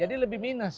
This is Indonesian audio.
jadi lebih minus